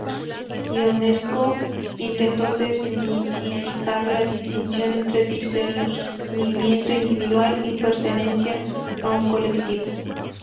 Ionesco intentó desmitificar la distinción entre discernimiento individual y pertenencia a un colectivo.